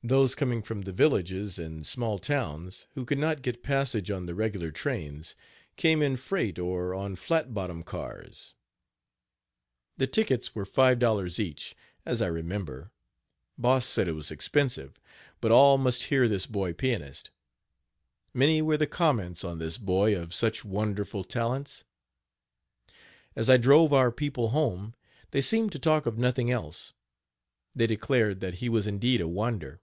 Those coming from the villages and small towns, who could not get passage on the regular trains, came in freight or on flat bottom cars. The tickets were $5.00 each, as I remember, Boss said it was expensive, but all must hear this boy pianist. Many were the comments on this boy of such wonderful talents. As I drove our people Home they seemed to talk of nothing else. They declared that he was indeed a wonder.